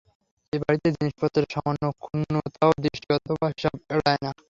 এ বাড়িতে জিনিসপত্রের সামান্য ক্ষুণ্নতাও দৃষ্টি অথবা হিসাব এড়ায় না।